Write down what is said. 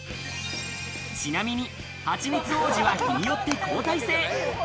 ちなみに、はちみつ王子は日によって交代制。